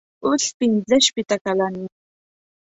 اوس پنځه شپېته کلن یم.